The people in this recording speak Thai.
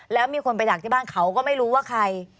แล้วมีคนไปดักที่บ้านเขาก็ไม่รู้ว่าใคร